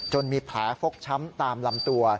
มีแผลฟกช้ำตามลำตัว